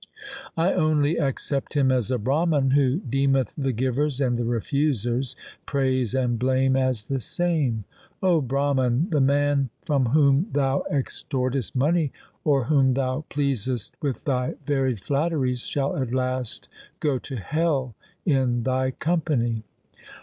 I only accept him as a Brahman who deemeth the givers and the refusers, praise and blame as the same. O Brahman, the man from whom LIFE OF GURU GOBIND SINGH 73 thou extortest money, or whom thou pleasest with thy varied flatteries, shall at last go to hell in thy company.